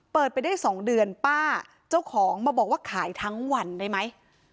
ไปได้๒เดือนป้าเจ้าของมาบอกว่าขายทั้งวันได้ไหม